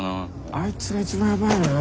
あいつが一番ヤバイよな。